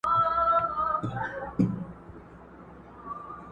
بیا میندل یې په بازار کي قیامتي وه٫